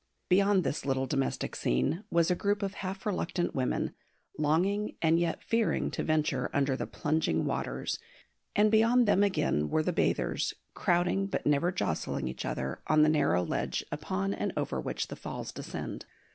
Beyond this little domestic scene was a group of half reluctant women, longing and yet fearing to venture under the plunging waters; and beyond them again were the bathers, crowding but never jostling each other, on the narrow ledge upon and over which the Falls descend.